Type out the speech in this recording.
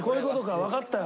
わかったよ。